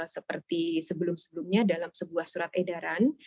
seperti sebelum sebelumnya dalam sebuah surat edaran